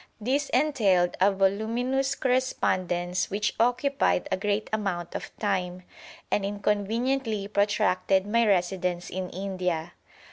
This entailed a voluminous correspondence which occupied a great amount of time, and inconveniently protracted my residence in India.